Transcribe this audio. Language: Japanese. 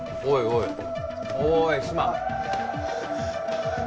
おい